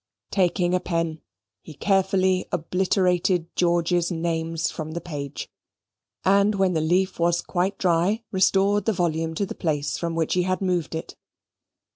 Taking a pen, he carefully obliterated George's names from the page; and when the leaf was quite dry, restored the volume to the place from which he had moved it.